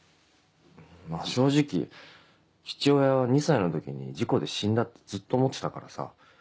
まぁ正直父親は２歳の時に事故で死んだってずっと思ってたからさ。